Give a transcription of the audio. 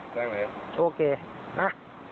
แจ้งเลยนะโอเคนะ